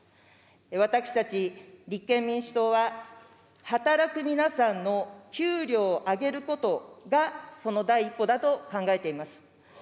私たち立憲民主党は、働く皆さんの給料を上げることがその第一歩だと考えています。